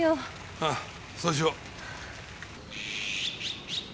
ああそうしよう。